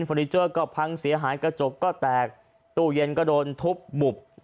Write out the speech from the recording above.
นิเจอร์ก็พังเสียหายกระจกก็แตกตู้เย็นก็โดนทุบบุบ